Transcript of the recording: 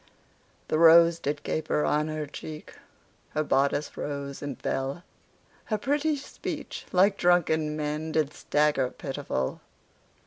The rose did caper on her cheek, Her bodice rose and fell, Her pretty speech, like drunken men, Did stagger pitiful.